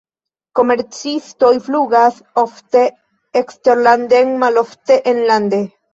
Komercistoj flugas ofte eksterlanden, malofte enlande.